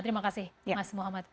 terima kasih mas muhammad